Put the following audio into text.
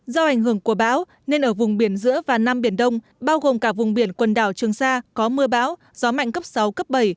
do ảnh hưởng của bão nên ở vùng biển giữa và nam biển đông bao gồm cả vùng biển quần đảo trường sa có mưa bão gió mạnh cấp sáu cấp bảy